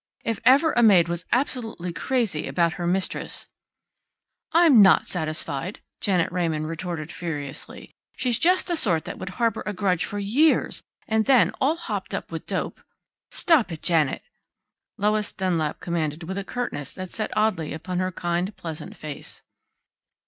"If ever a maid was absolutely crazy about her mistress " "I'm not satisfied!" Janet Raymond retorted furiously. "She's just the sort that would harbor a grudge for years, and then, all hopped up with dope " "Stop it, Janet!" Lois Dunlap commanded with a curtness that set oddly upon her kind, pleasant face.